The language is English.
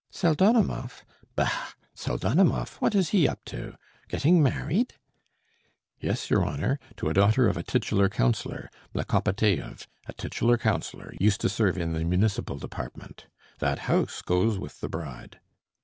"Pseldonimov? Bah! Pseldonimov! What is he up to? Getting married?" "Yes, your Honour, to a daughter of a titular councillor, Mlekopitaev, a titular councillor ... used to serve in the municipal department. That house goes with the bride."